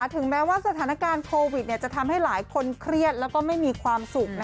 ถึงแม้ว่าสถานการณ์โควิดจะทำให้หลายคนเครียดแล้วก็ไม่มีความสุข